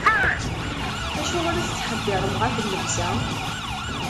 Acuɣer i tettḥebbiṛem ɣef llebsa?